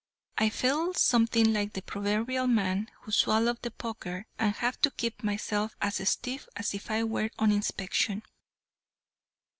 I feel something like the proverbial man who swallowed the poker, and have to keep myself as stiff as if I were on inspection.